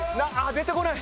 出てこない。